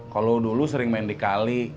kalau dulu sering main di kali